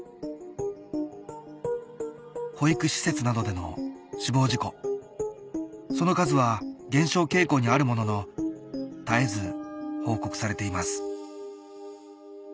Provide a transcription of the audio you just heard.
保育施設などでの死亡事故その数は減少傾向にあるものの絶えず報告されています